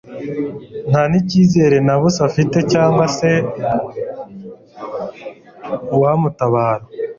nta n'icyizere na busa afite cyangwa se uwamutabara